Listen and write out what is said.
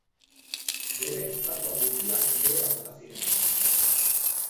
Bere estatua guztiak behera bota ziren.